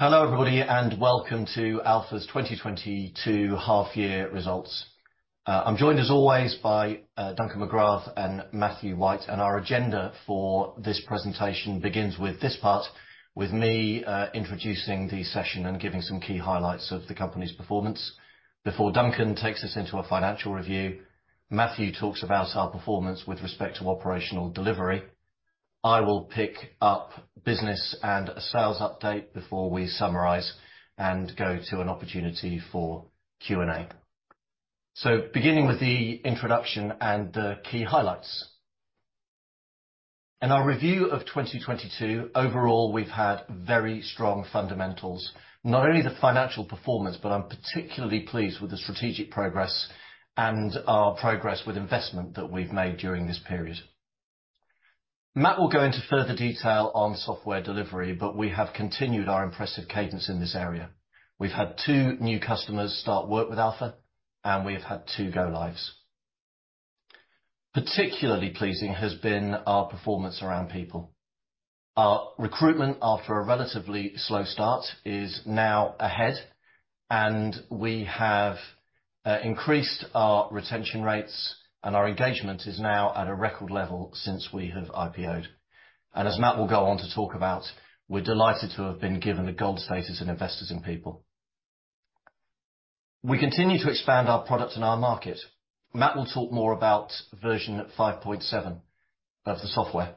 Hello, everybody, and welcome to Alfa's 2022 half-year results. I'm joined as always by Duncan Magrath and Matthew White, and our agenda for this presentation begins with this part, with me introducing the session and giving some key highlights of the company's performance. Before Duncan takes us into a financial review, Matthew talks about our performance with respect to operational delivery. I will pick up business and a sales update before we summarize and go to an opportunity for Q&A. Beginning with the introduction and the key highlights. In our review of 2022, overall, we've had very strong fundamentals, not only the financial performance, but I'm particularly pleased with the strategic progress and our progress with investment that we've made during this period. Matt will go into further detail on software delivery, but we have continued our impressive cadence in this area. We've had two new customers start work with Alfa, and we've had two go lives. Particularly pleasing has been our performance around people. Our recruitment, after a relatively slow start, is now ahead, and we have increased our retention rates and our engagement is now at a record level since we have IPO'd. As Matt will go on to talk about, we're delighted to have been given a gold status in Investors in People. We continue to expand our product and our market. Matt will talk more about Version 5.7 of the software.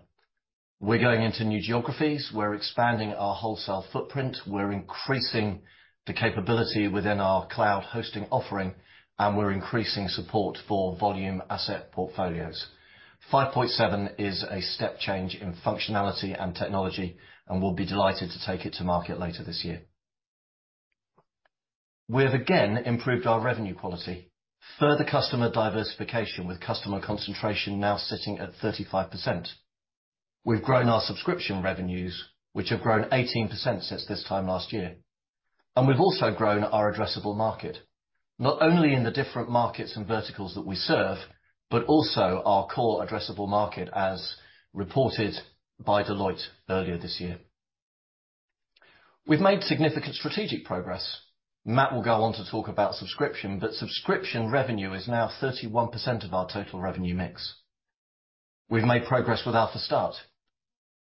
We're going into new geographies. We're expanding our wholesale footprint. We're increasing the capability within our cloud hosting offering, and we're increasing support for volume asset portfolios. 5.7 is a step change in functionality and technology, and we'll be delighted to take it to market later this year. We have again improved our revenue quality, further customer diversification with customer concentration now sitting at 35%. We've grown our subscription revenues, which have grown 18% since this time last year. We've also grown our addressable market, not only in the different markets and verticals that we serve, but also our core addressable market as reported by Deloitte earlier this year. We've made significant strategic progress. Matt will go on to talk about subscription, but subscription revenue is now 31% of our total revenue mix. We've made progress with Alfa Start.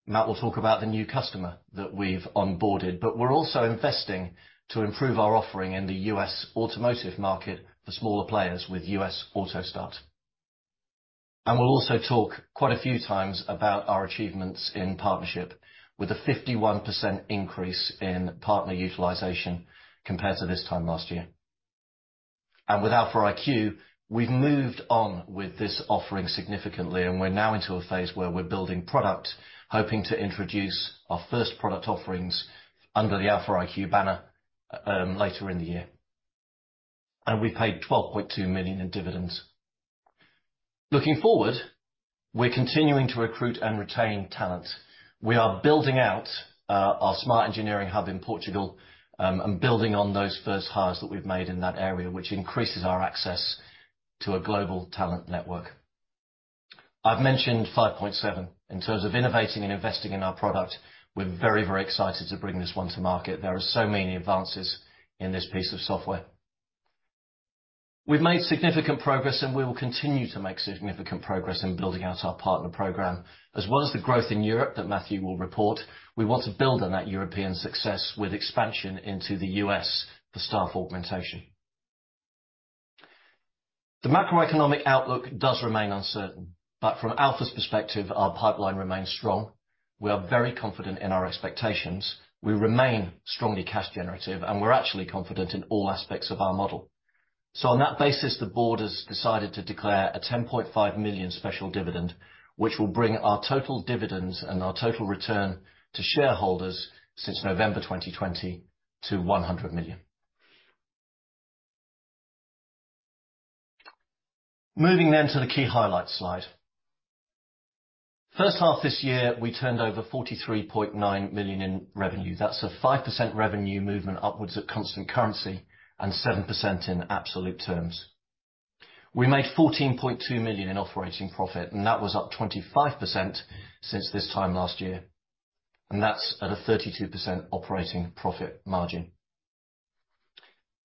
Matt will talk about the new customer that we've onboarded, but we're also investing to improve our offering in the U.S. automotive market for smaller players with Alfa Start. We'll also talk quite a few times about our achievements in partnership with a 51% increase in partner utilization compared to this time last year. With Alfa iQ, we've moved on with this offering significantly, and we're now into a phase where we're building product, hoping to introduce our first product offerings under the Alfa iQ banner later in the year. We paid 12.2 million in dividends. Looking forward, we're continuing to recruit and retain talent. We are building out our smart engineering hub in Portugal and building on those first hires that we've made in that area, which increases our access to a global talent network. I've mentioned 5.7. In terms of innovating and investing in our product, we're very, very excited to bring this one to market. There are so many advances in this piece of software. We've made significant progress, and we will continue to make significant progress in building out our partner program. As well as the growth in Europe that Matthew will report, we want to build on that European success with expansion into the U.S. for staff augmentation. The macroeconomic outlook does remain uncertain, but from Alfa's perspective, our pipeline remains strong. We are very confident in our expectations. We remain strongly cash generative, and we're actually confident in all aspects of our model. On that basis, the board has decided to declare a 10.5 million special dividend, which will bring our total dividends and our total return to shareholders since November 2020 to 100 million. Moving to the key highlights slide. H1 this year, we turned over 43.9 million in revenue. That's a 5% revenue movement upwards at constant currency and 7% in absolute terms. We made 14.2 million in operating profit, and that was up 25% since this time last year, and that's at a 32% operating profit margin.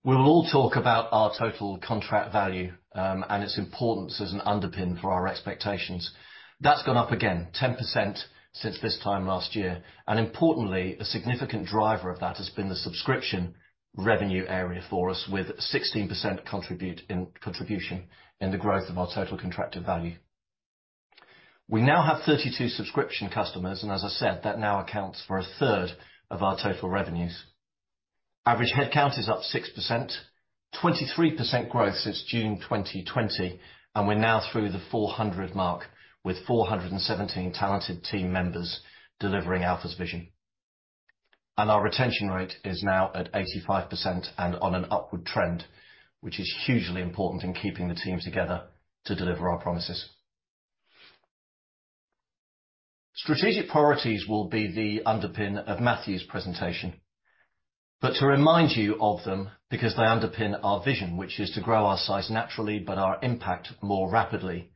We'll all talk about our Total Contract Value and its importance as an underpin for our expectations. That's gone up again 10% since this time last year. Importantly, a significant driver of that has been the subscription revenue area for us with 16% contribution in the growth of our total contract value. We now have 32 subscription customers, and as I said, that now accounts for a third of our total revenues. Average headcount is up 6%, 23% growth since June 2020, and we're now through the 400 mark with 417 talented team members delivering Alfa's vision. Our retention rate is now at 85% and on an upward trend, which is hugely important in keeping the team together to deliver our promises. Strategic priorities will be the underpinning of Matthew's presentation. To remind you of them because they underpin our vision, which is to grow our size naturally but our impact more rapidly.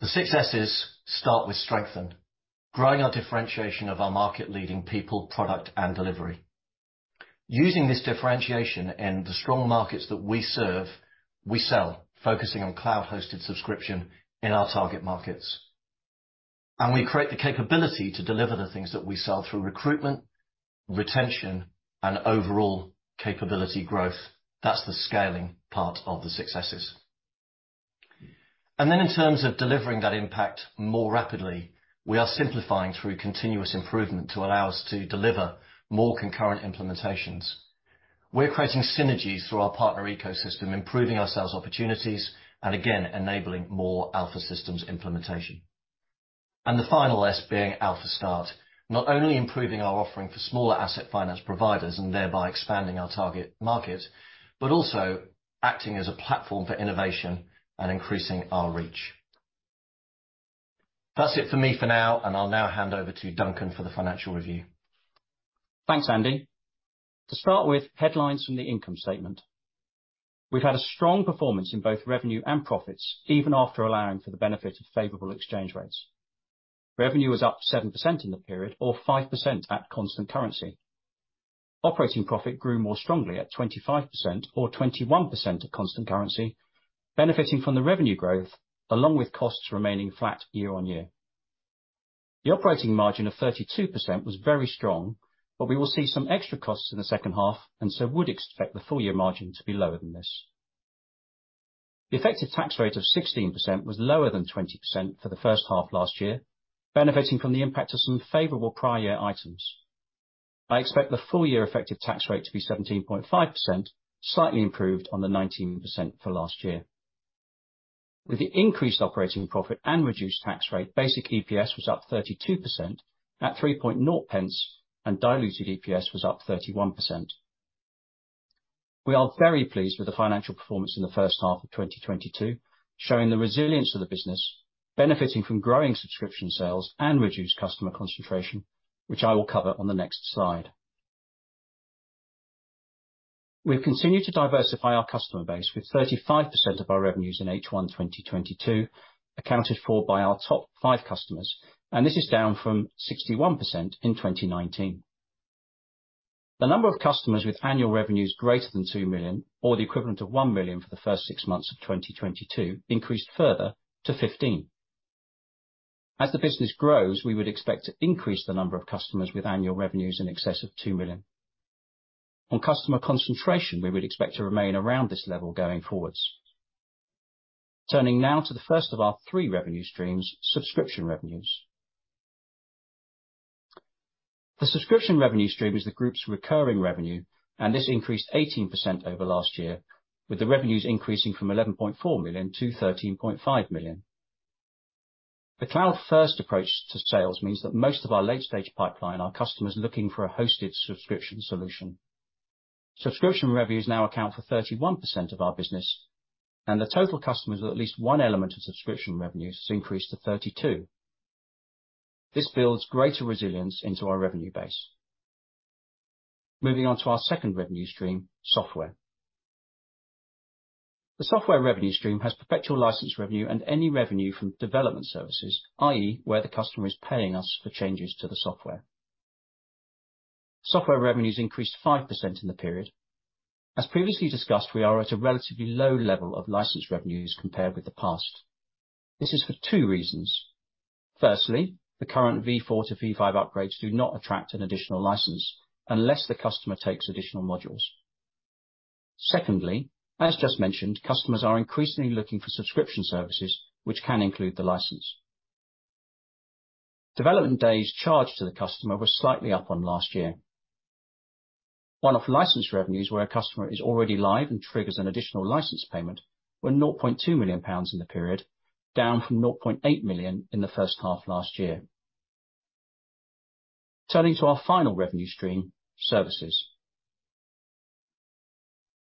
The six S's start with strengthen, growing our differentiation of our market-leading people, product, and delivery. Using this differentiation in the strong markets that we serve, we sell, focusing on cloud-hosted subscription in our target markets, and we create the capability to deliver the things that we sell through recruitment, retention, and overall capability growth. That's the scaling part of the successes. Then in terms of delivering that impact more rapidly, we are simplifying through continuous improvement to allow us to deliver more concurrent implementations. We're creating synergies through our partner ecosystem, improving our sales opportunities, and again, enabling more Alfa Systems implementation. The final S being Alfa Start. Not only improving our offering for smaller asset finance providers and thereby expanding our target market, but also acting as a platform for innovation and increasing our reach. That's it for me for now, and I'll now hand over to Duncan for the financial review. Thanks, Andy. To start with, headlines from the income statement. We've had a strong performance in both revenue and profits, even after allowing for the benefit of favorable exchange rates. Revenue was up 7% in the period, or 5% at constant currency. Operating profit grew more strongly at 25% or 21% at constant currency, benefiting from the revenue growth along with costs remaining flat year-on-year. The operating margin of 32% was very strong, but we will see some extra costs in the second half, and so would expect the full year margin to be lower than this. The effective tax rate of 16% was lower than 20% for the H1 last year, benefiting from the impact of some favorable prior year items. I expect the full year effective tax rate to be 17.5%, slightly improved on the 19% for last year. With the increased operating profit and reduced tax rate, basic EPS was up 32% at 3.0 pence, and diluted EPS was up 31%. We are very pleased with the financial performance in the H1 of 2022, showing the resilience of the business benefiting from growing subscription sales and reduced customer concentration, which I will cover on the next slide. We have continued to diversify our customer base with 35% of our revenues in H1 2022 accounted for by our top five customers, and this is down from 61% in 2019. The number of customers with annual revenues greater than 2 million or the equivalent of 1 million for the first six months of 2022 increased further to 15. As the business grows, we would expect to increase the number of customers with annual revenues in excess of 2 million. On customer concentration, we would expect to remain around this level going forwards. Turning now to the first of our three revenue streams, subscription revenues. The subscription revenue stream is the group's recurring revenue, and this increased 18% over last year, with the revenues increasing from 11.4 million to 13.5 million. The cloud-first approach to sales means that most of our late-stage pipeline are customers looking for a hosted subscription solution. Subscription revenues now account for 31% of our business, and the total customers with at least one element of subscription revenues has increased to 32. This builds greater resilience into our revenue base. Moving on to our second revenue stream, software. The software revenue stream has perpetual license revenue and any revenue from development services, i.e., where the customer is paying us for changes to the software. Software revenues increased 5% in the period. As previously discussed, we are at a relatively low level of license revenues compared with the past. This is for two reasons. Firstly, the current V4 to V5 upgrades do not attract an additional license unless the customer takes additional modules. Secondly, as just mentioned, customers are increasingly looking for subscription services which can include the license. Development days charged to the customer were slightly up on last year. One-off license revenues where a customer is already live and triggers an additional license payment were 0.2 million pounds in the period, down from 0.8 million in the H1 last year. Turning to our final revenue stream, services.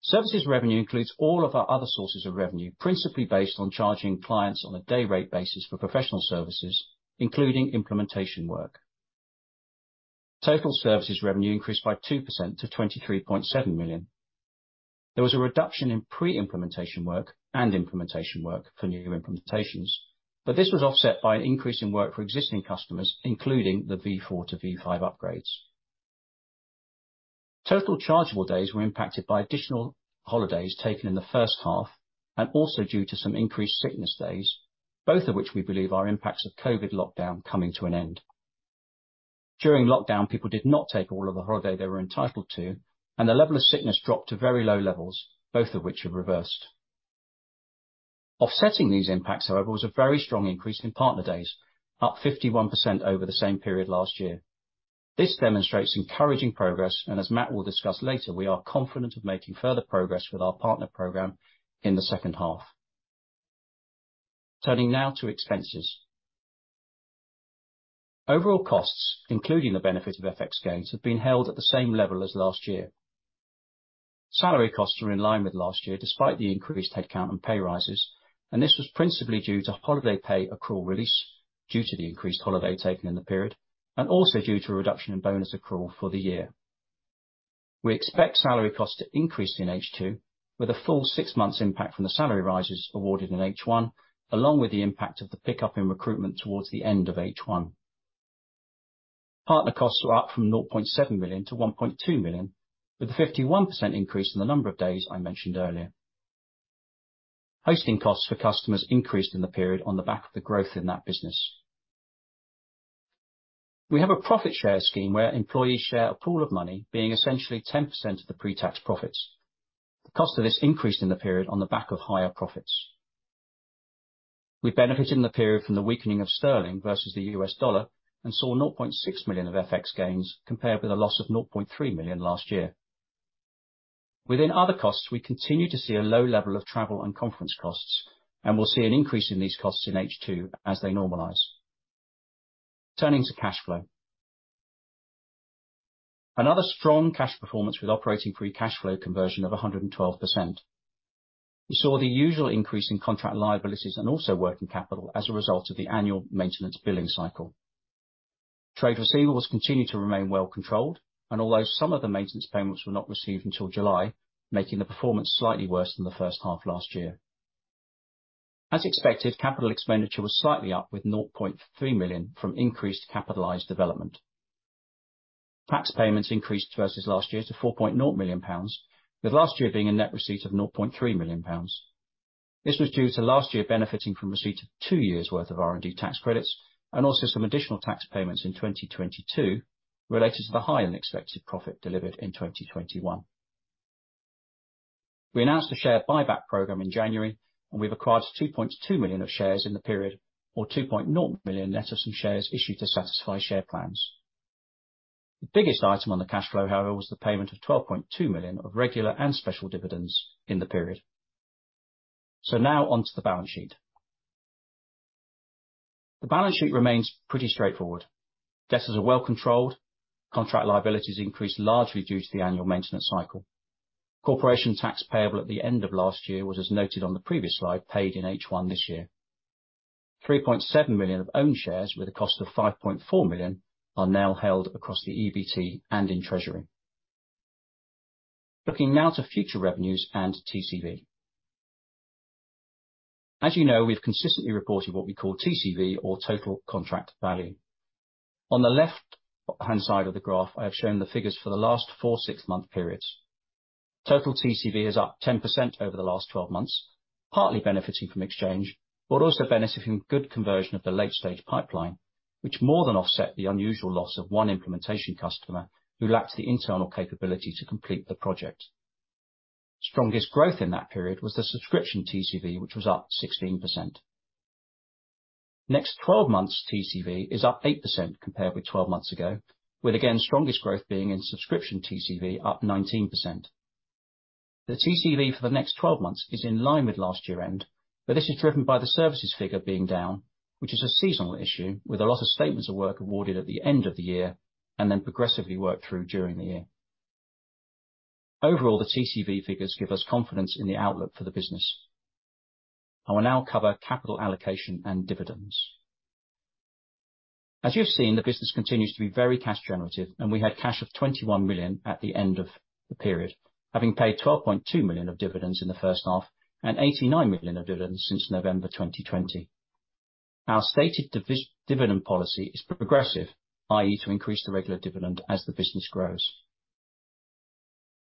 Services revenue includes all of our other sources of revenue, principally based on charging clients on a day rate basis for professional services, including implementation work. Total services revenue increased by 2% to 23.7 million. There was a reduction in pre-implementation work and implementation work for new implementations, but this was offset by an increase in work for existing customers, including the V4 to V5 upgrades. Total chargeable days were impacted by additional holidays taken in the first half and also due to some increased sickness days, both of which we believe are impacts of COVID lockdown coming to an end. During lockdown, people did not take all of the holiday they were entitled to, and the level of sickness dropped to very low levels, both of which have reversed. Offsetting these impacts, however, was a very strong increase in partner days, up 51% over the same period last year. This demonstrates encouraging progress, and as Matt will discuss later, we are confident of making further progress with our partner program in the second half. Turning now to expenses. Overall costs, including the benefit of FX gains, have been held at the same level as last year. Salary costs are in line with last year despite the increased headcount and pay rises, and this was principally due to holiday pay accrual release due to the increased holiday taken in the period and also due to a reduction in bonus accrual for the year. We expect salary costs to increase in H2 with a full six months impact from the salary rises awarded in H1, along with the impact of the pickup in recruitment towards the end of H1. Partner costs are up from 0.7 million to 1.2 million, with a 51% increase in the number of days I mentioned earlier. Hosting costs for customers increased in the period on the back of the growth in that business. We have a profit share scheme where employees share a pool of money being essentially 10% of the pre-tax profits. The cost of this increased in the period on the back of higher profits. We benefited in the period from the weakening of sterling versus the U.S. dollar and saw 0.6 million of FX gains compared with a loss of 0.3 million last year. Within other costs, we continue to see a low level of travel and conference costs, and we'll see an increase in these costs in H2 as they normalize. Turning to cash flow. Another strong cash performance with operating free cash flow conversion of 112%. We saw the usual increase in contract liabilities and also working capital as a result of the annual maintenance billing cycle. Trade receivables continue to remain well controlled and although some of the maintenance payments were not received until July, making the performance slightly worse than the first half last year. As expected, capital expenditure was slightly up with 0.3 million from increased capitalized development. Tax payments increased versus last year to 4.0 million pounds, with last year being a net receipt of 0.3 million pounds. This was due to last year benefiting from receipt of two years' worth of R&D tax credits and also some additional tax payments in 2022 related to the higher-than-expected profit delivered in 2021. We announced a share buyback program in January, and we've acquired 2.2 million shares in the period or 2.0 million net of some shares issued to satisfy share plans. The biggest item on the cash flow, however, was the payment of 12.2 million of regular and special dividends in the period. Now on to the balance sheet. The balance sheet remains pretty straightforward. Debts are well controlled. Contract liabilities increased largely due to the annual maintenance cycle. Corporation tax payable at the end of last year was, as noted on the previous slide, paid in H1 this year. 3.7 million of own shares with a cost of 5.4 million are now held across the EBT and in treasury. Looking now to future revenues and TCV. As you know, we've consistently reported what we call TCV or Total Contract Value. On the left-hand side of the graph, I have shown the figures for the last four six-month periods. Total TCV is up 10% over the last 12 months, partly benefiting from exchange, but also benefiting good conversion of the late-stage pipeline, which more than offset the unusual loss of one implementation customer who lacked the internal capability to complete the project. Strongest growth in that period was the subscription TCV, which was up 16%. Next 12 months TCV is up 8% compared with 12 months ago, with again, strongest growth being in subscription TCV up 19%. The TCV for the next 12 months is in line with last year end, but this is driven by the services figure being down, which is a seasonal issue with a lot of statements of work awarded at the end of the year and then progressively worked through during the year. Overall, the TCV figures give us confidence in the outlook for the business. I will now cover capital allocation and dividends. As you've seen, the business continues to be very cash generative, and we had cash of 21 million at the end of the period, having paid 12.2 million of dividends in the first half and 89 million of dividends since November 2020. Our stated dividend policy is progressive, i.e. to increase the regular dividend as the business grows.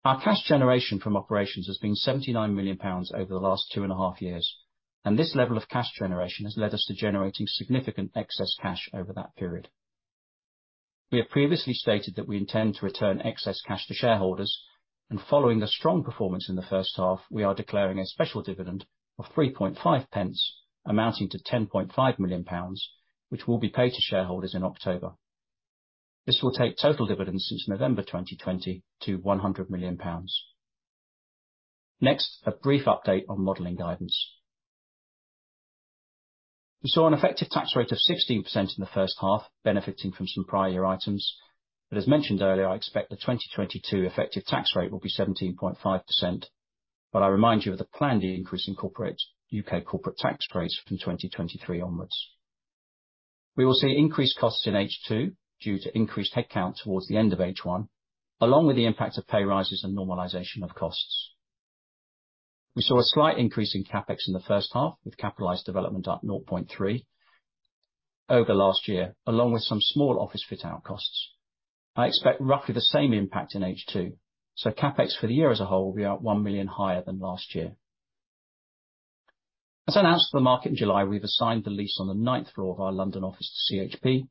Our cash generation from operations has been 79 million pounds over the last two and a half years, and this level of cash generation has led us to generating significant excess cash over that period. We have previously stated that we intend to return excess cash to shareholders, and following a strong performance in the first half, we are declaring a special dividend of 3.5 pence, amounting to 10.5 million pounds, which will be paid to shareholders in October. This will take total dividends since November 2020 to 100 million pounds. Next, a brief update on modeling guidance. We saw an effective tax rate of 16% in the first half, benefiting from some prior year items. As mentioned earlier, I expect the 2022 effective tax rate will be 17.5%, but I remind you of the planned increase in U.K. corporate tax rates from 2023 onwards. We will see increased costs in H2 due to increased headcount towards the end of H1, along with the impact of pay raises and normalization of costs. We saw a slight increase in CapEx in the first half with capitalized development at 0.3 million over last year, along with some small office fit-out costs. I expect roughly the same impact in H2, so CapEx for the year as a whole will be 1 million higher than last year. As announced to the market in July, we've assigned the lease on the ninth floor of our London office to CHP,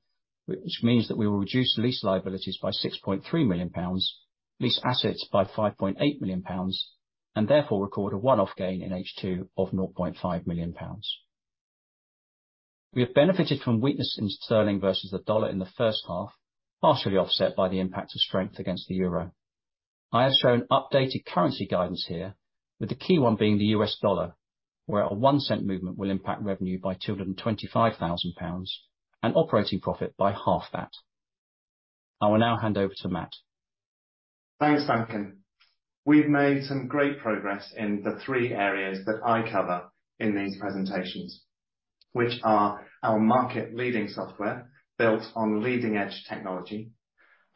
which means that we will reduce lease liabilities by 6.3 million pounds, lease assets by 5.8 million pounds, and therefore record a one-off gain in H2 of 0.5 million pounds. We have benefited from weakness in sterling versus the dollar in the first half, partially offset by the impact of strength against the euro. I have shown updated currency guidance here, with the key one being the U.S. Dollar, where a one cent movement will impact revenue by 225,000 pounds and operating profit by half that. I will now hand over to Matt. Thanks, Duncan. We've made some great progress in the three areas that I cover in these presentations, which are our market leading software built on leading edge technology,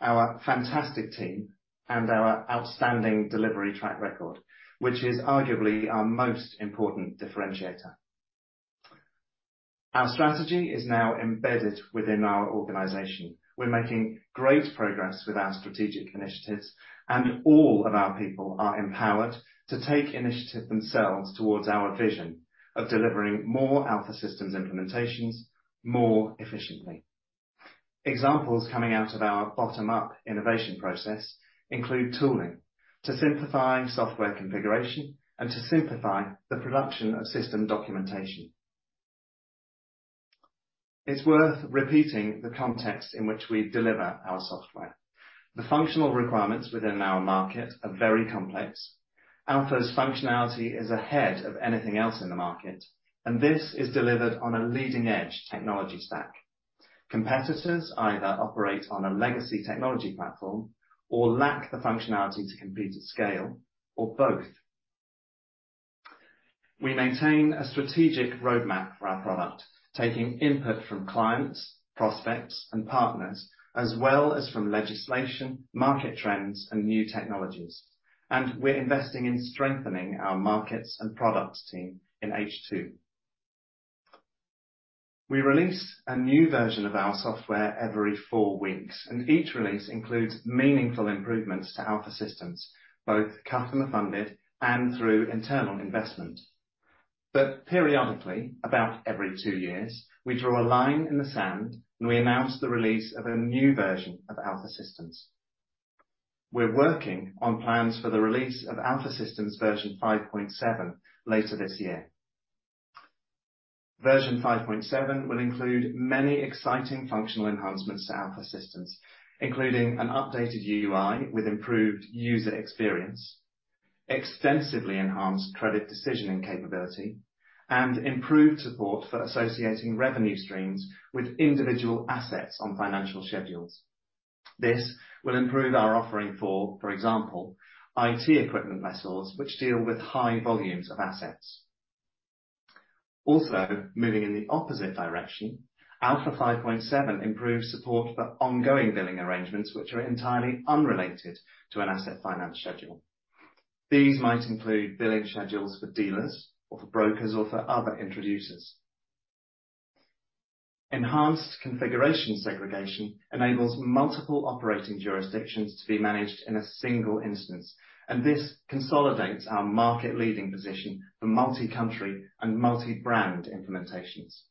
our fantastic team, and our outstanding delivery track record, which is arguably our most important differentiator. Our strategy is now embedded within our organization. We're making great progress with our strategic initiatives, and all of our people are empowered to take initiative themselves towards our vision of delivering more Alfa Systems implementations more efficiently. Examples coming out of our bottom-up innovation process include tooling to simplify software configuration and to simplify the production of system documentation. It's worth repeating the context in which we deliver our software. The functional requirements within our market are very complex. Alfa's functionality is ahead of anything else in the market, and this is delivered on a leading edge technology stack. Competitors either operate on a legacy technology platform or lack the functionality to compete at scale or both. We maintain a strategic roadmap for our product, taking input from clients, prospects, and partners, as well as from legislation, market trends, and new technologies. We're investing in strengthening our markets and products team in H2. We release a new version of our software every four weeks, and each release includes meaningful improvements to Alfa Systems, both customer funded and through internal investment. Periodically, about every two years, we draw a line in the sand, and we announce the release of a new version of Alfa Systems. We're working on plans for the release of Alfa Systems Version 5.7 later this year. Version 5.7 will include many exciting functional enhancements to Alfa Systems, including an updated UI with improved user experience, extensively enhanced credit decisioning capability, and improved support for associating revenue streams with individual assets on financial schedules. This will improve our offering for example, IT equipment vessels which deal with high volumes of assets. Also, moving in the opposite direction, Alfa 5.7 improves support for ongoing billing arrangements which are entirely unrelated to an asset finance schedule. These might include billing schedules for dealers or for brokers or for other introducers. Enhanced configuration segregation enables multiple operating jurisdictions to be managed in a single instance, and this consolidates our market leading position for multi-country and multi-brand implementations.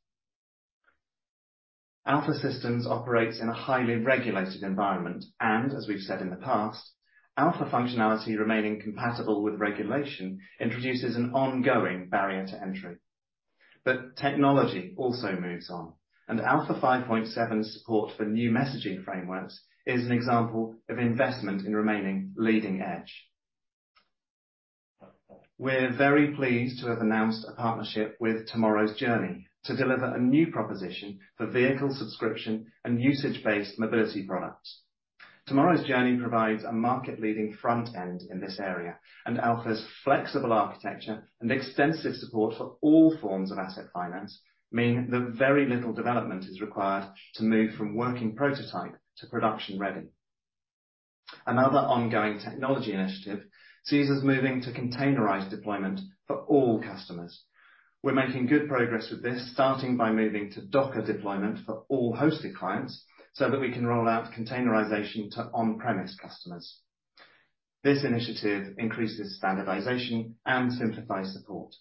Alfa Systems operates in a highly regulated environment, and as we've said in the past, Alfa functionality remaining compatible with regulation introduces an ongoing barrier to entry. Technology also moves on, and Alfa 5.7 support for new messaging frameworks is an example of investment in remaining leading edge. We're very pleased to have announced a partnership with Tomorrow's Journey to deliver a new proposition for vehicle subscription and usage-based mobility products. Tomorrow's Journey provides a market leading front end in this area, and Alfa's flexible architecture and extensive support for all forms of asset finance mean that very little development is required to move from working prototype to production ready. Another ongoing technology initiative sees us moving to containerized deployment for all customers. We're making good progress with this, starting by moving to Docker deployment for all hosted clients, so that we can roll out containerization to on-premise customers. This initiative increases standardization and simplifies support.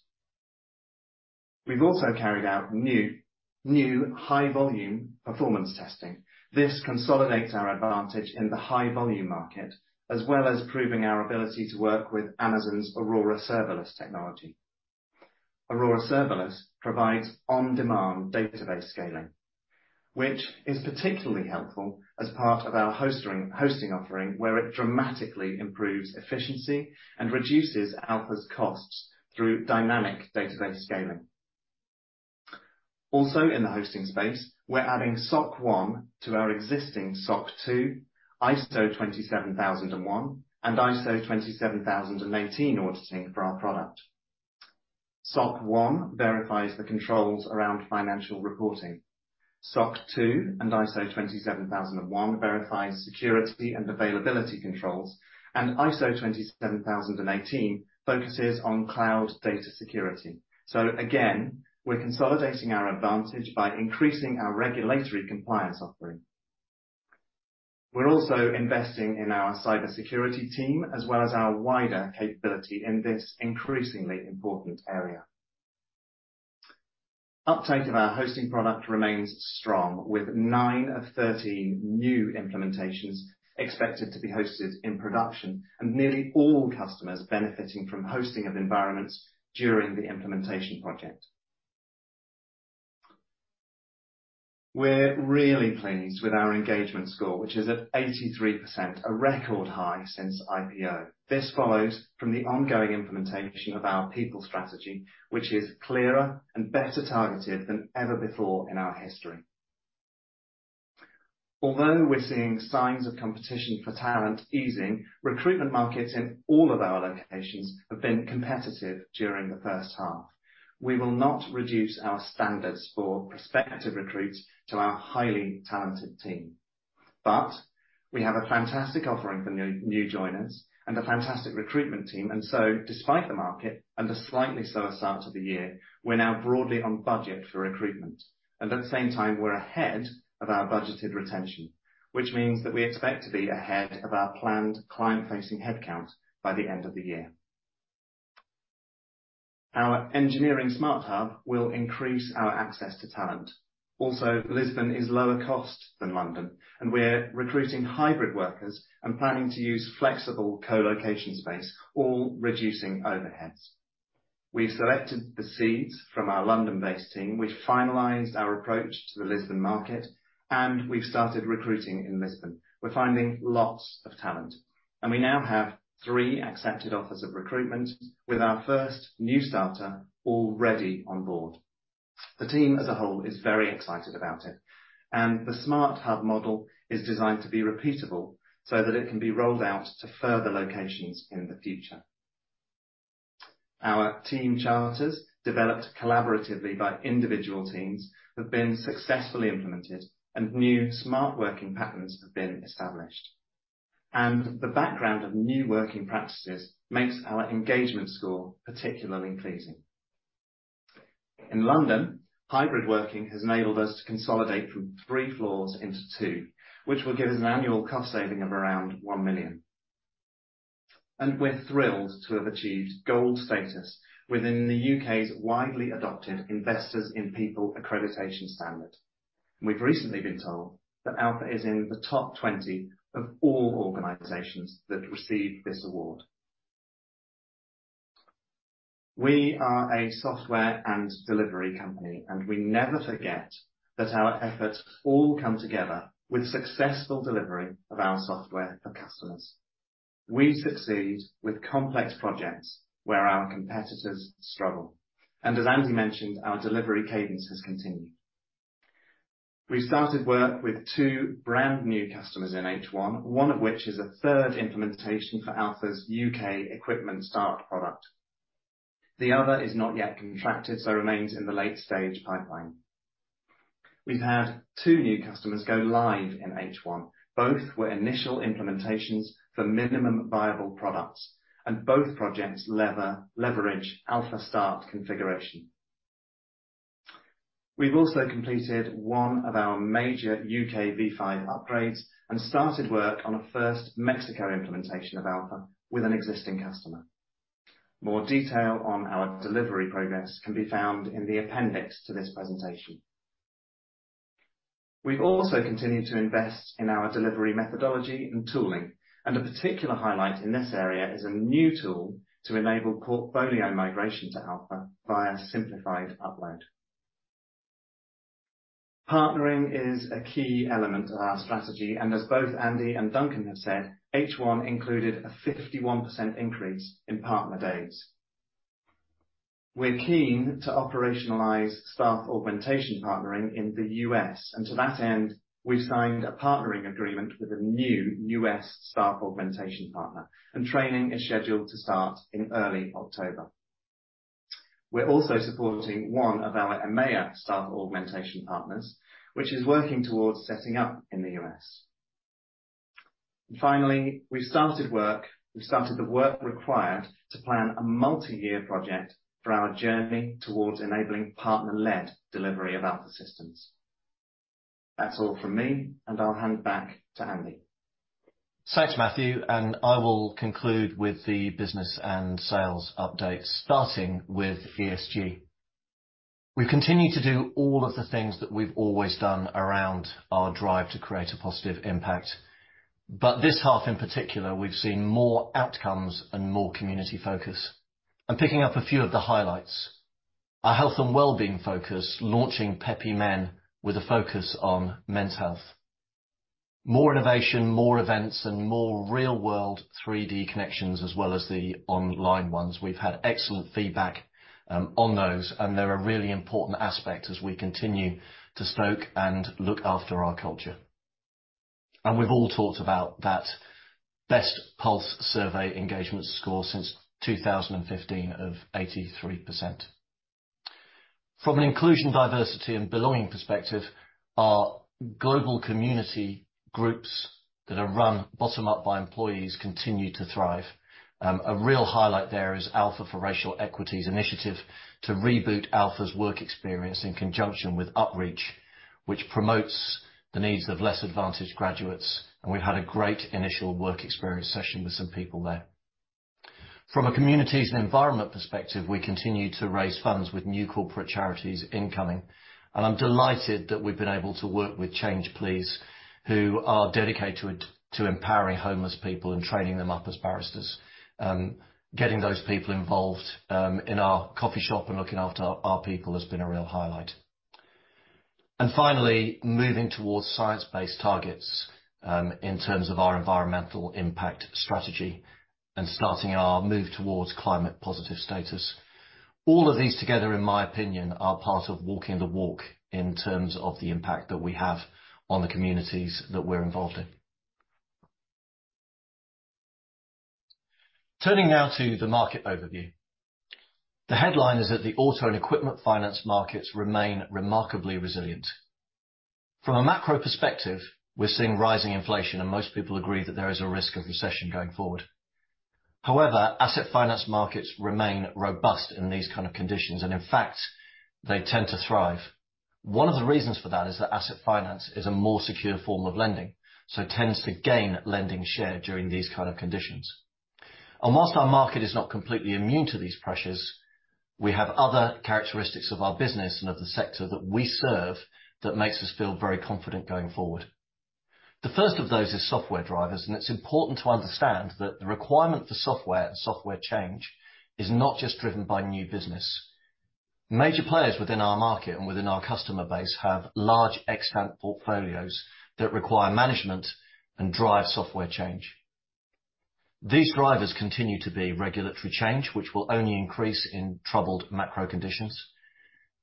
We've also carried out new high volume performance testing. This consolidates our advantage in the high volume market, as well as proving our ability to work with Amazon's Aurora Serverless technology. Aurora Serverless provides on-demand database scaling, which is particularly helpful as part of our hosting offering, where it dramatically improves efficiency and reduces Alfa's costs through dynamic database scaling. Also in the hosting space, we're adding SOC 1 to our existing SOC 2, ISO 27001, and ISO 27018 auditing for our product. SOC 1 verifies the controls around financial reporting. SOC 2 and ISO 27001 verifies security and availability controls. ISO 27018 focuses on cloud data security. Again, we're consolidating our advantage by increasing our regulatory compliance offering. We're also investing in our cybersecurity team, as well as our wider capability in this increasingly important area. Uptake of our hosting product remains strong, with nine of 13 new implementations expected to be hosted in production, and nearly all customers benefiting from hosting of environments during the implementation project. We're really pleased with our engagement score, which is at 83%, a record high since IPO. This follows from the ongoing implementation of our people strategy, which is clearer and better targeted than ever before in our history. Although we're seeing signs of competition for talent easing, recruitment markets in all of our locations have been competitive during the first half. We will not reduce our standards for prospective recruits to our highly talented team. We have a fantastic offering for new joiners and a fantastic recruitment team, and so despite the market and a slightly slower start to the year, we're now broadly on budget for recruitment. At the same time, we're ahead of our budgeted retention, which means that we expect to be ahead of our planned client-facing headcount by the end of the year. Our engineering smart hub will increase our access to talent. Also, Lisbon is lower cost than London, and we're recruiting hybrid workers and planning to use flexible co-location space, all reducing overheads. We selected the seeds from our London-based team. We finalized our approach to the Lisbon market, and we've started recruiting in Lisbon. We're finding lots of talent, and we now have three accepted offers of recruitment with our first new starter already on board. The team as a whole is very excited about it, and the smart hub model is designed to be repeatable so that it can be rolled out to further locations in the future. Our team charters, developed collaboratively by individual teams, have been successfully implemented and new smart working patterns have been established. The background of new working practices makes our engagement score particularly pleasing. In London, hybrid working has enabled us to consolidate from three floors into two, which will give us an annual cost saving of around 1 million. We're thrilled to have achieved Gold status within the U.K.'s widely adopted Investors in People accreditation standard. We've recently been told that Alfa is in the top 20 of all organizations that receive this award. We are a software and delivery company, and we never forget that our efforts all come together with successful delivery of our software for customers. We succeed with complex projects where our competitors struggle. As Andy mentioned, our delivery cadence has continued. We started work with two brand-new customers in H1, one of which is a third implementation for Alfa's U.K. equipment Start product. The other is not yet contracted, so remains in the late-stage pipeline. We've had two new customers go live in H1. Both were initial implementations for minimum viable products, and both projects leverage Alfa Start configuration. We've also completed one of our major U.K. V5 upgrades and started work on a first Mexico implementation of Alfa with an existing customer. More detail on our delivery progress can be found in the appendix to this presentation. We also continue to invest in our delivery methodology and tooling, and a particular highlight in this area is a new tool to enable portfolio migration to Alfa via simplified upload. Partnering is a key element of our strategy, and as both Andy and Duncan have said, H1 included a 51% increase in partner days. We're keen to operationalize staff augmentation partnering in the U.S., and to that end, we've signed a partnering agreement with a new U.S. staff augmentation partner, and training is scheduled to start in early October. We're also supporting one of our EMEIA staff augmentation partners, which is working towards setting up in the U.S. Finally, we started the work required to plan a multi-year project for our journey towards enabling partner-led delivery of Alfa Systems. That's all from me, and I'll hand back to Andy. Thanks, Matthew, and I will conclude with the business and sales update, starting with ESG. We continue to do all of the things that we've always done around our drive to create a positive impact. This half, in particular, we've seen more outcomes and more community focus. I'm picking up a few of the highlights. Our health and well-being focus, launching Peppy Men with a focus on men's health. More innovation, more events, and more real-world 3D connections as well as the online ones. We've had excellent feedback on those, and they're a really important aspect as we continue to stoke and look after our culture. We've all talked about that best pulse survey engagement score since 2015 of 83%. From an inclusion, diversity, and belonging perspective, our global community groups that are run bottom up by employees continue to thrive. A real highlight there is Alfa for Racial Equity initiative to reboot Alfa's work experience in conjunction with upReach, which promotes the needs of less advantaged graduates, and we had a great initial work experience session with some people there. From a communities and environment perspective, we continue to raise funds with new corporate charities incoming, and I'm delighted that we've been able to work with Change Please, who are dedicated to empowering homeless people and training them up as baristas. Getting those people involved in our coffee shop and looking after our people has been a real highlight. Finally, moving towards science-based targets in terms of our environmental impact strategy and starting our move towards climate positive status. All of these together, in my opinion, are part of walking the walk in terms of the impact that we have on the communities that we're involved in. Turning now to the market overview. The headline is that the auto and equipment finance markets remain remarkably resilient. From a macro perspective, we're seeing rising inflation and most people agree that there is a risk of recession going forward. However, asset finance markets remain robust in these kind of conditions, and in fact, they tend to thrive. One of the reasons for that is that asset finance is a more secure form of lending, so tends to gain lending share during these kind of conditions. While our market is not completely immune to these pressures, we have other characteristics of our business and of the sector that we serve that makes us feel very confident going forward. The first of those is software drivers, and it's important to understand that the requirement for software and software change is not just driven by new business. Major players within our market and within our customer base have large extant portfolios that require management and drive software change. These drivers continue to be regulatory change, which will only increase in troubled macro conditions.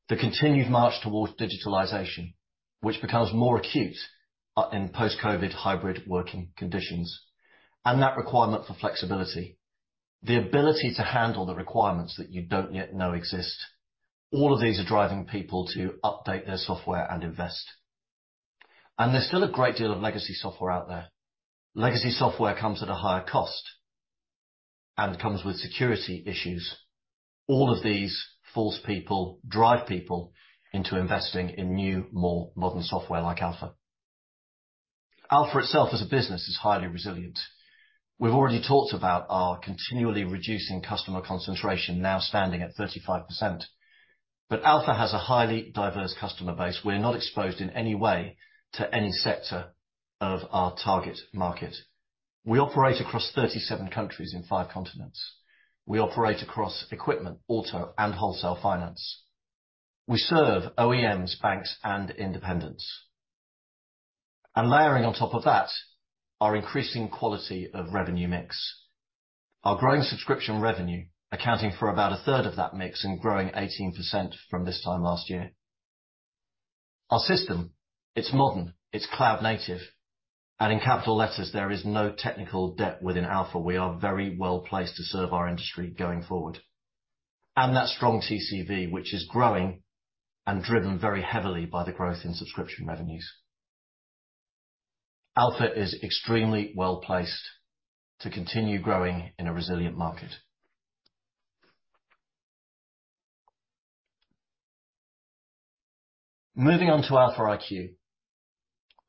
The continued march towards digitalization, which becomes more acute in post-COVID hybrid working conditions, and that requirement for flexibility, the ability to handle the requirements that you don't yet know exist. All of these are driving people to update their software and invest. There's still a great deal of legacy software out there. Legacy software comes at a higher cost and comes with security issues. All of these force people, drive people into investing in new, more modern software like Alfa. Alfa itself as a business is highly resilient. We've already talked about our continually reducing customer concentration now standing at 35%. Alfa has a highly diverse customer base. We're not exposed in any way to any sector of our target market. We operate across 37 countries in 5 continents. We operate across equipment, auto, and wholesale finance. We serve OEMs, banks, and independents. Layering on top of that, our increasing quality of revenue mix. Our growing subscription revenue accounting for about a third of that mix and growing 18% from this time last year. Our system, it's modern, it's cloud native, and in capital letters, there is no technical debt within Alfa. We are very well placed to serve our industry going forward. That strong TCV, which is growing and driven very heavily by the growth in subscription revenues. Alfa is extremely well-placed to continue growing in a resilient market. Moving on to Alfa iQ.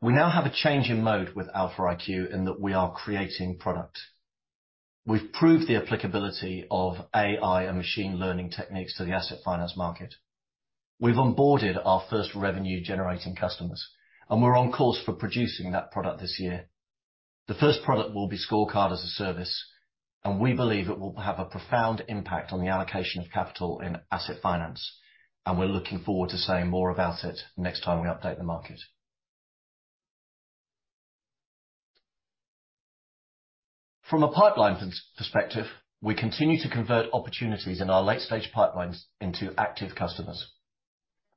We now have a change in mode with Alfa iQ in that we are creating product. We've proved the applicability of AI and machine learning techniques to the asset finance market. We've onboarded our first revenue generating customers, and we're on course for producing that product this year. The first product will be scorecard as a service, and we believe it will have a profound impact on the allocation of capital in asset finance, and we're looking forward to saying more about it next time we update the market. From a pipeline perspective, we continue to convert opportunities in our late stage pipelines into active customers.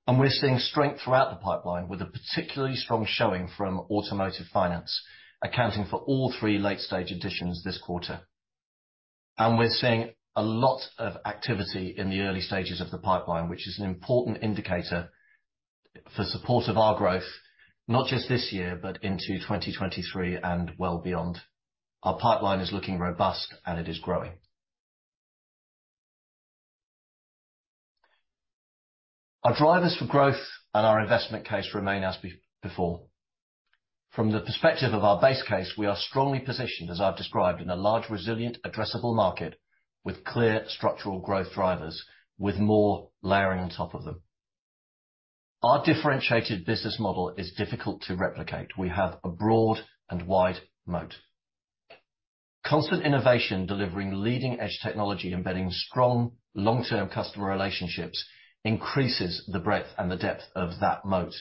We're seeing strength throughout the pipeline with a particularly strong showing from automotive finance, accounting for all three late-stage additions this quarter. We're seeing a lot of activity in the early stages of the pipeline, which is an important indicator for support of our growth, not just this year, but into 2023 and well beyond. Our pipeline is looking robust and it is growing. Our drivers for growth and our investment case remain as before. From the perspective of our base case, we are strongly positioned, as I've described, in a large, resilient, addressable market with clear structural growth drivers with more layering on top of them. Our differentiated business model is difficult to replicate. We have a broad and wide moat. Constant innovation, delivering leading-edge technology, embedding strong long-term customer relationships, increases the breadth and the depth of that moat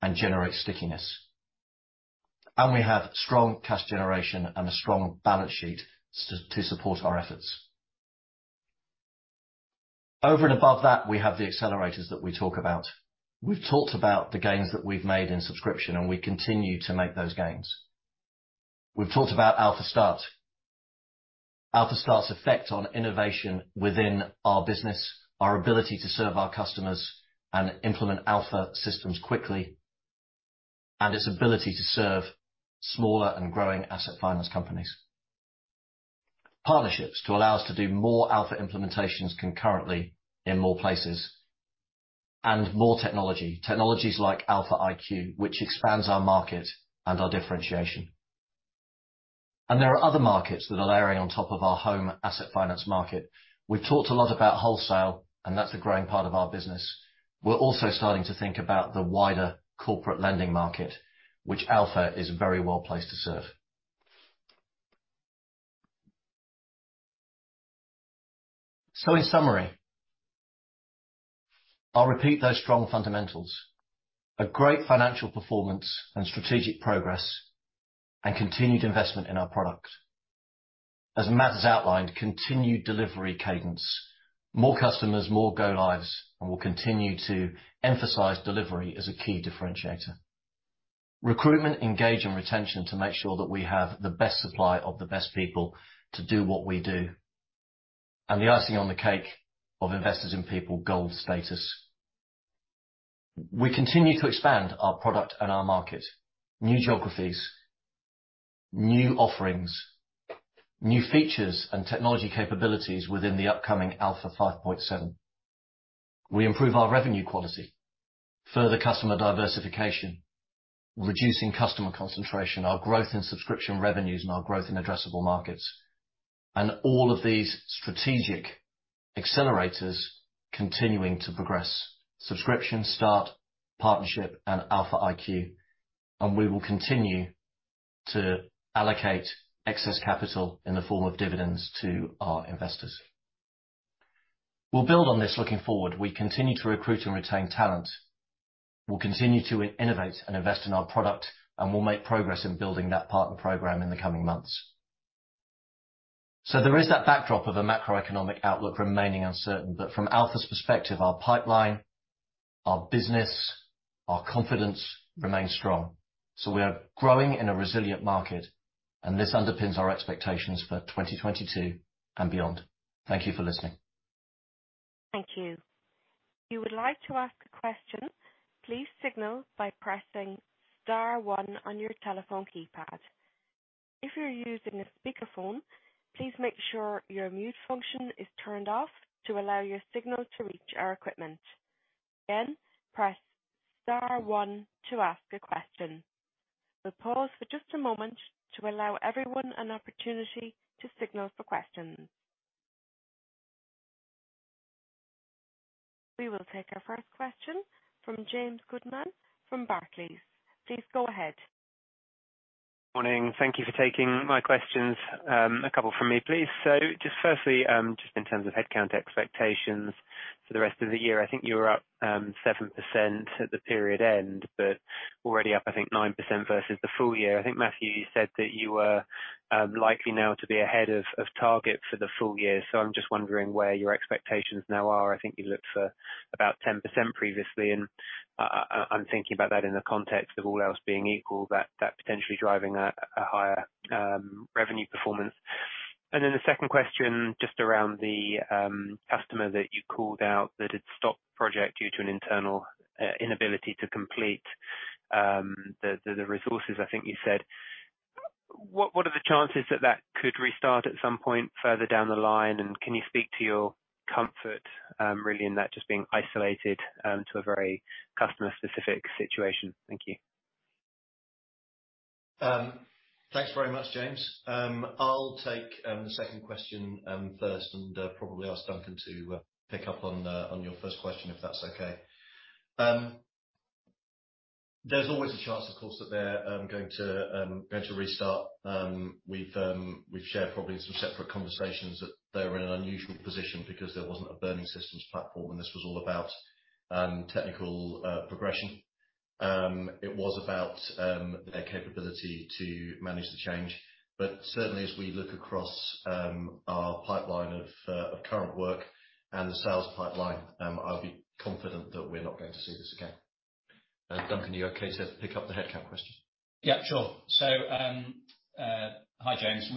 and generates stickiness. We have strong cash generation and a strong balance sheet to support our efforts. Over and above that, we have the accelerators that we talk about. We've talked about the gains that we've made in subscription, and we continue to make those gains. We've talked about Alfa Start. Alfa Start's effect on innovation within our business, our ability to serve our customers, and implement Alfa Systems quickly, and its ability to serve smaller and growing asset finance companies. Partnerships to allow us to do more Alfa implementations concurrently in more places and more technology, technologies like Alfa iQ, which expands our market and our differentiation. There are other markets that are layering on top of our home asset finance market. We've talked a lot about wholesale, and that's a growing part of our business. We're also starting to think about the wider corporate lending market, which Alfa is very well placed to serve. In summary, I'll repeat those strong fundamentals. A great financial performance and strategic progress and continued investment in our product. As Matt has outlined, continued delivery cadence, more customers, more go lives, and we'll continue to emphasize delivery as a key differentiator. Recruitment, engagement and retention to make sure that we have the best supply of the best people to do what we do. The icing on the cake of Investors in People Gold status. We continue to expand our product and our market, new geographies, new offerings, new features and technology capabilities within the upcoming Alfa 5.7. We improve our revenue quality, further customer diversification, reducing customer concentration, our growth in subscription revenues and our growth in addressable markets. All of these strategic accelerators continuing to progress. Alfa Start, partnership, and Alfa iQ, and we will continue to allocate excess capital in the form of dividends to our investors. We'll build on this looking forward. We continue to recruit and retain talent. We'll continue to innovate and invest in our product, and we'll make progress in building that partner program in the coming months. There is that backdrop of a macroeconomic outlook remaining uncertain, but from Alfa's perspective, our pipeline, our business, our confidence remains strong. We are growing in a resilient market, and this underpins our expectations for 2022 and beyond. Thank you for listening. Thank you. If you would like to ask a question, please signal by pressing star one on your telephone keypad. If you're using a speakerphone, please make sure your mute function is turned off to allow your signal to reach our equipment. Again, press star one to ask a question. We'll pause for just a moment to allow everyone an opportunity to signal for questions. We will take our first question from James Goodman from Barclays. Please go ahead. Morning. Thank you for taking my questions. A couple from me, please. Just firstly, just in terms of headcount expectations for the rest of the year, I think you were up 7% at the period end, but already up, I think, 9% versus the full year. I think, Matthew, you said that you were likely now to be ahead of target for the full year. I'm just wondering where your expectations now are. I think you looked for about 10% previously. I'm thinking about that in the context of all else being equal, that potentially driving a higher revenue performance. The second question, just around the customer that you called out that had stopped project due to an internal inability to complete the resources, I think you said. What are the chances that that could restart at some point further down the line? Can you speak to your comfort really in that just being isolated to a very customer-specific situation? Thank you. Thanks very much, James. I'll take the second question first and probably ask Duncan to pick up on your first question, if that's okay. There's always a chance, of course, that they're going to restart. We've shared probably in some separate conversations that they were in an unusual position because there wasn't a burning systems platform and this was all about technical progression. It was about their capability to manage the change. Certainly as we look across our pipeline of current work and the sales pipeline, I would be confident that we're not going to see this again. Duncan, are you okay to pick up the headcount question? Yeah, sure. Hi, James.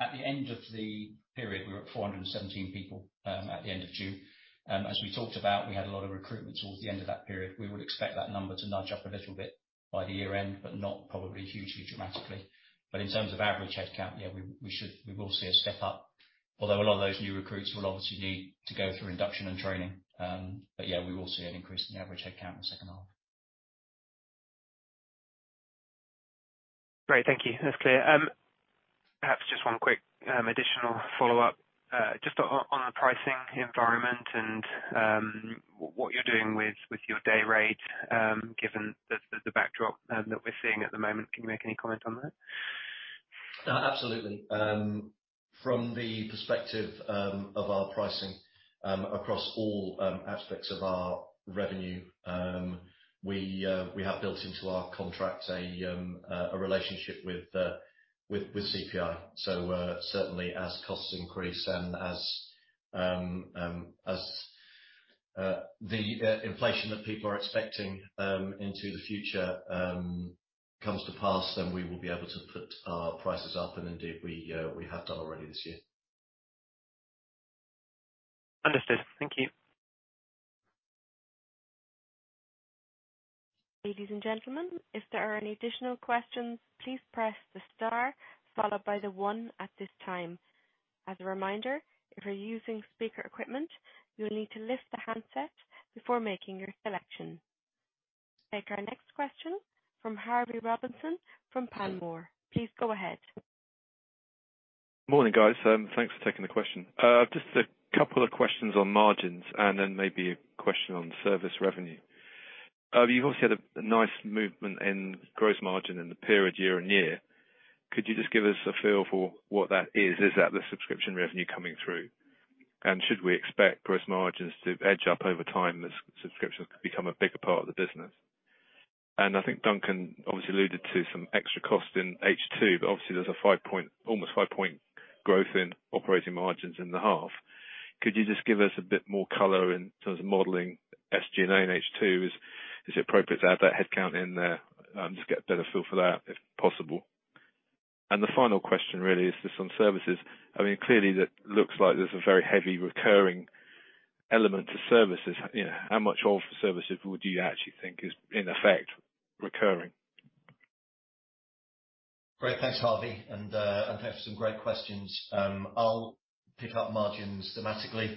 At the end of the period, we were at 417 people at the end of June. As we talked about, we had a lot of recruitment towards the end of that period. We would expect that number to nudge up a little bit by the year end, but not probably hugely dramatically. In terms of average headcount, we will see a step up. Although a lot of those new recruits will obviously need to go through induction and training. We will see an increase in the average headcount in the second half. Great. Thank you. That's clear. Perhaps just one quick additional follow-up just on the pricing environment and what you're doing with your day rate given the backdrop that we're seeing at the moment. Can you make any comment on that? Absolutely. From the perspective of our pricing across all aspects of our revenue, we have built into our contract a relationship with CPI. Certainly as costs increase and as the inflation that people are expecting into the future comes to pass, then we will be able to put our prices up. Indeed, we have done already this year. Understood. Thank you. Ladies and gentlemen, if there are any additional questions, please press the star followed by the one at this time. As a reminder, if you're using speaker equipment, you will need to lift the handset before making your selection. Take our next question from Harvey Robinson, from Panmure. Please go ahead. Morning, guys. Thanks for taking the question. Just a couple of questions on margins and then maybe a question on service revenue. You've obviously had a nice movement in gross margin in the period year-on-year. Could you just give us a feel for what that is? Is that the subscription revenue coming through? Should we expect gross margins to edge up over time as subscription could become a bigger part of the business? I think Duncan obviously alluded to some extra cost in H2, but obviously there's almost a five point growth in operating margins in the half. Could you just give us a bit more color in terms of modeling SG&A in H2? Is it appropriate to add that headcount in there? Just get a better feel for that, if possible. The final question really is just on services. I mean, clearly it looks like there's a very heavy recurring element to services. You know, how much of services would you actually think is in effect recurring? Great. Thanks, Harvey. Thanks for some great questions. I'll pick up margins thematically.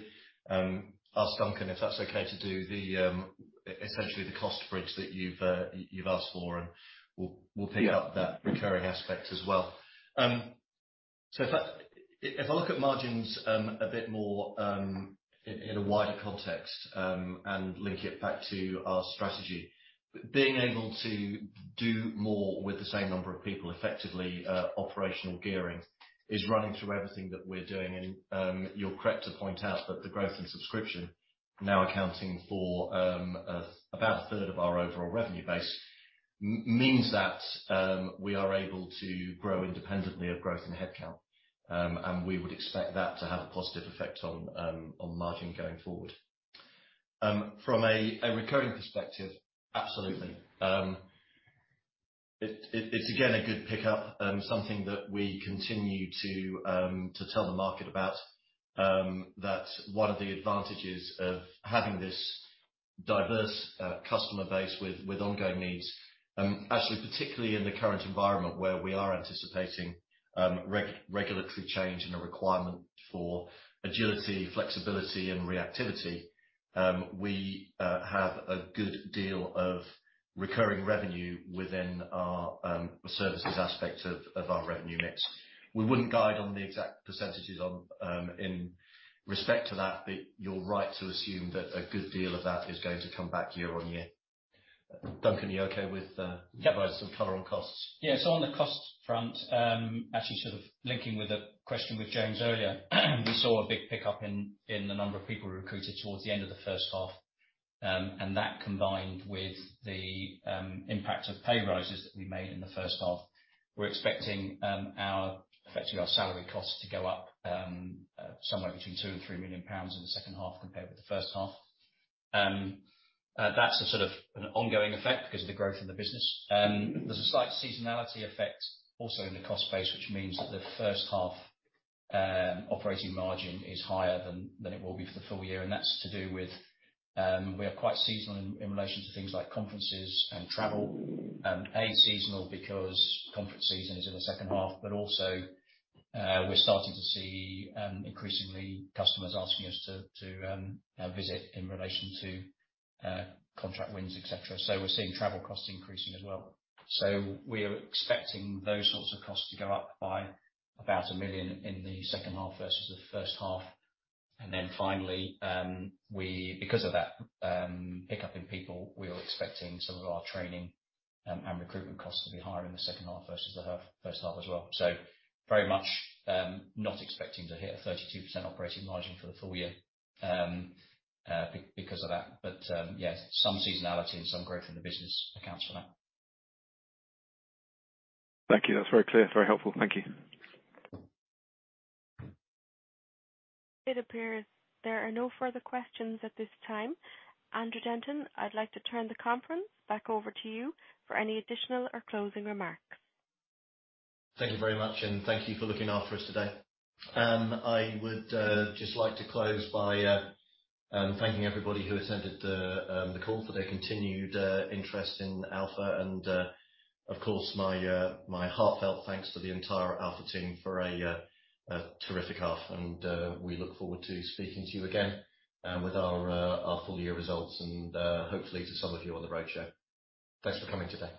Ask Duncan if that's okay to do essentially the cost bridge that you've asked for, and we'll pick up that recurring aspect as well. If I look at margins a bit more in a wider context and link it back to our strategy, being able to do more with the same number of people effectively, operational gearing is running through everything that we're doing. You're correct to point out that the growth in subscription now accounting for about a third of our overall revenue base means that we are able to grow independently of growth in headcount. We would expect that to have a positive effect on margin going forward. From a recurring perspective, absolutely. It's again a good pickup, something that we continue to tell the market about, that one of the advantages of having this diverse customer base with ongoing needs, actually, particularly in the current environment where we are anticipating regulatory change and a requirement for agility, flexibility, and reactivity, we have a good deal of recurring revenue within our services aspect of our revenue mix. We wouldn't guide on the exact percentages in respect to that, but you're right to assume that a good deal of that is going to come back year on year. Duncan, are you okay with providing some color on costs? Yeah. On the cost front, actually sort of linking with a question with James earlier, we saw a big pickup in the number of people recruited towards the end of the first half. That combined with the impact of pay raises that we made in the first half, we're expecting effectively our salary costs to go up somewhere between 2 million and 3 million pounds in the second half compared with the first half. That's a sort of an ongoing effect because of the growth in the business. There's a slight seasonality effect also in the cost base, which means that the first half operating margin is higher than it will be for the full year. That's to do with we are quite seasonal in relation to things like conferences and travel. Seasonal because conference season is in the second half, but also, we're starting to see increasingly customers asking us to visit in relation to contract wins, et cetera. We're seeing travel costs increasing as well. We are expecting those sorts of costs to go up by about 1 million in the second half versus the first half. Finally, because of that pickup in people, we are expecting some of our training and recruitment costs to be higher in the second half versus the first half as well. Very much not expecting to hit a 32% operating margin for the full year because of that. Yeah, some seasonality and some growth in the business accounts for that. Thank you. That's very clear. Very helpful. Thank you. It appears there are no further questions at this time. Andrew Denton, I'd like to turn the conference back over to you for any additional or closing remarks. Thank you very much, and thank you for looking after us today. I would just like to close by thanking everybody who attended the call for their continued interest in Alfa and, of course, my heartfelt thanks to the entire Alfa team for a terrific half. We look forward to speaking to you again with our full year results and hopefully to some of you on the roadshow. Thanks for coming today.